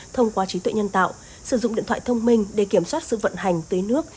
thông qua trí tuệ nhân tạo sử dụng điện thoại thông minh để kiểm soát sự vận hành tưới nước